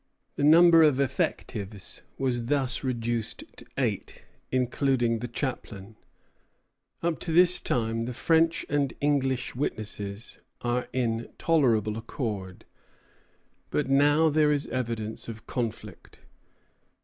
The number of effectives was thus reduced to eight, including the chaplain. Up to this time the French and English witnesses are in tolerable accord; but now there is conflict of evidence.